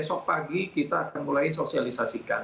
insya allah besok pagi kita akan mulai sosialisasikan